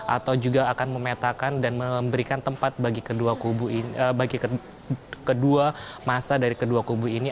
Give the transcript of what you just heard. atau juga akan memetakan dan memberikan tempat bagi kedua masa dari kedua kubu ini